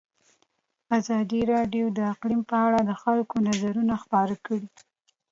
ازادي راډیو د اقلیم په اړه د خلکو نظرونه خپاره کړي.